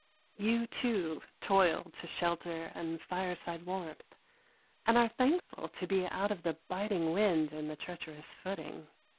You, too, toil to shelter and fireside warmth, and are thankful to be out of the biting wind and the treacherous footing.